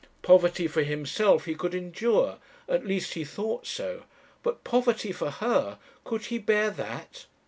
Poverty for himself he could endure; at least he thought so; but poverty for her! could he bear that?